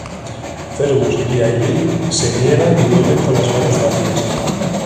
Fergus y Ailill se niegan y vuelven con las manos vacías.